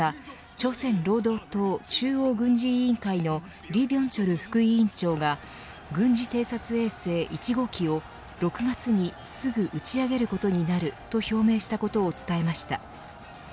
朝鮮労働党中央軍事委員会の李炳哲副委員長が軍事偵察衛星１号機を６月にすぐ打ち上げることになると表明したことを伝えました。